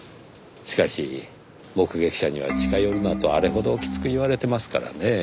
しかし目撃者には近寄るなとあれほどきつく言われてますからねぇ。